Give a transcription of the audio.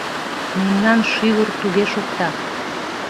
Мемнан шӱвыр туге шокта.